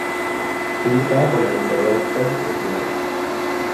Publicada por la editorial Peces de ciudad.